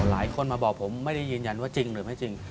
หลายคนมาบอกผมไม่ได้ยืนยันว่าจริงหรือไม่จริง